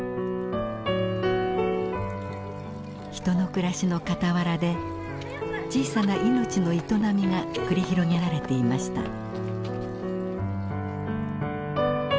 人の暮らしのかたわらで小さな命の営みが繰り広げられていました。